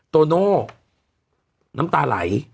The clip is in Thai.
โตโน่น้ำตาไหล